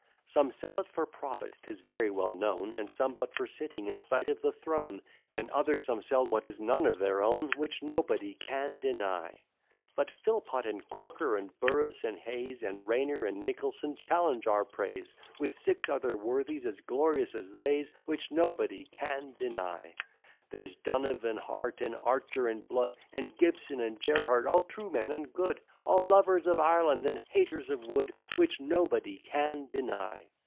Some sell it for profit, 'tis very well known, And some but for sitting in sight of the throne, And other some sell what is none of their own. Which nobody can deny. But Philpot, and Corker, and Burrus, and Hayze, And Rayner, and Nicholson, challenge our praise, With six other worthies as glorious as these. Which nobody can deny. There's Donevan, Hart, and Archer, and Blood, And Gibson, and Gerard, all true men and good, All lovers of Ireland, and haters of Wood. Which nobody can deny.